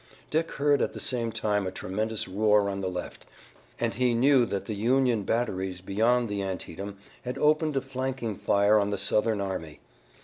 Dick heard at the same time a tremendous roar on the left, and he knew that the Union batteries beyond the Antietam had opened a flanking fire on the Southern army.